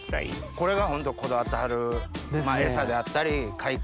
これがホントこだわってはる餌であったり飼い方？